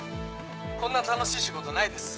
こんな楽しい仕事ないです。